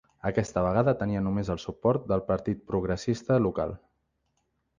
Aquesta vegada tenia només el suport del partit progressista local.